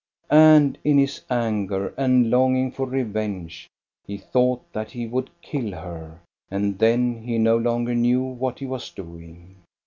And in his anger and longing for revenge, he thought that he would kill her, and then he no longer knew what he was doing.